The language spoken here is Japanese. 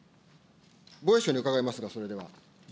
防衛相に伺いますが、それでは。